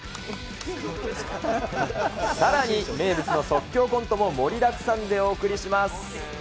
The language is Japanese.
さらに、名物の即興コントも盛りだくさんでお送りします。